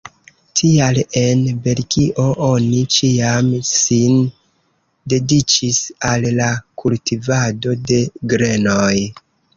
Tial en Belgio oni ĉiam sin dediĉis al la kultivado de grenoj.